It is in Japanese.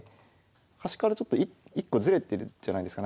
端からちょっと一個ずれてるじゃないですか。